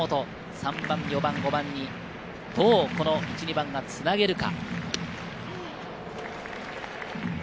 ３番、４番、５番に、どうこの１・２番がつなげるか。